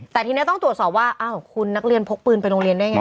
แต่ทีนี้ต้องตรวจสอบว่าอ้าวคุณนักเรียนพกปืนไปโรงเรียนได้ไง